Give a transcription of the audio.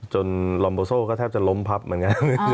ลอมโบโซ่ก็แทบจะล้มพับเหมือนกัน